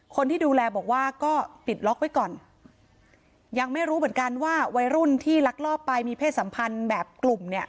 คนที่ดูแลบอกว่าก็ปิดล็อกไว้ก่อนยังไม่รู้เหมือนกันว่าวัยรุ่นที่ลักลอบไปมีเพศสัมพันธ์แบบกลุ่มเนี่ย